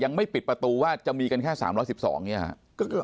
ยังไม่ปิดประตูว่าจะมีกันแค่๓๑๒ไงฮะ